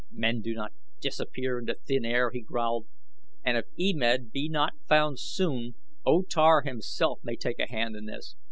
"Men do not disappear into thin air," he growled, "and if E Med be not found soon O Tar himself may take a hand in this.